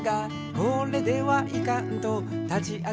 「これではいかんと立ち上がった」